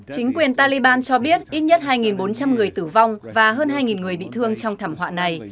chính quyền taliban cho biết ít nhất hai bốn trăm linh người tử vong và hơn hai người bị thương trong thảm họa này